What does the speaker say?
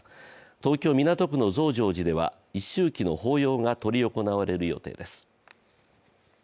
東京・港区の増上寺では一周忌の法要が執り行われる予定です。